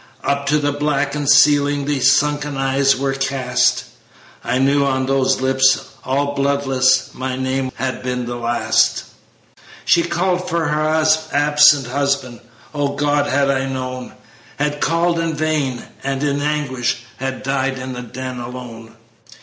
"Up to the blackened ceiling The sunken eyes were cast I knew on those lips all bloodless My name had been the last; She'd called for her absent husband O God! had I but known! Had called in vain, and in anguish Had died in that den alone.